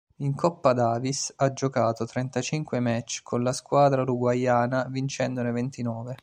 In Coppa Davis ha giocato trentacinque match con la squadra uruguayana vincendone ventinove.